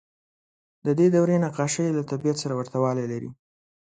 د دې دورې نقاشۍ له طبیعت سره ورته والی لري.